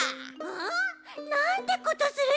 ん？なんてことするち！